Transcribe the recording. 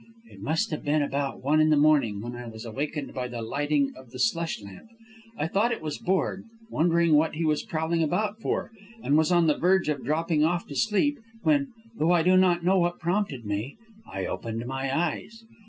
"It must have been about one in the morning when I was awakened by the lighting of the slush lamp. I thought it was Borg; wondered what he was prowling about for, and was on the verge of dropping off to sleep, when, though I do not know what prompted me, I opened my eyes.